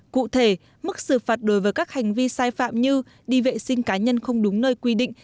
cụ thể mức xử phạt đối với các hành vi sai phạm như đi vệ sinh cá nhân không đúng nơi quy định